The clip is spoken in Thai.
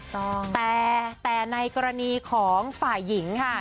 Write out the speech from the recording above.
แต่แต่ในกรณีของฝ่ายหญิงค่ะ